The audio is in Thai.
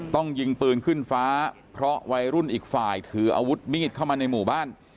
ยิงปืนขึ้นฟ้าเพราะวัยรุ่นอีกฝ่ายถืออาวุธมีดเข้ามาในหมู่บ้าน